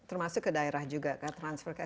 termasuk ke daerah juga